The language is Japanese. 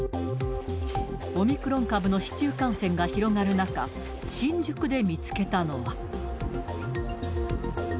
オミクロン株の市中感染が広がる中、新宿で見つけたのは。